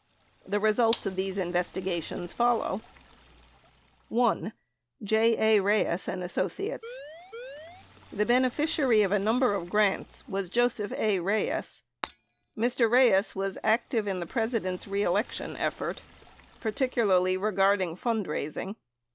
The results of these investigations follow : (1) J. A. Reyes & Associates. — The beneficiary of a number of grants was Joseph A. Reyes. Mr. Reyes was active in the President's reelec tion effort, particularly regarding fundraising.